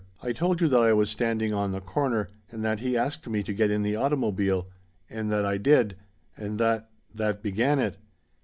"I told you that I was standing on the corner, and that he asked me to get in the automobile, and that I did, and that that began it.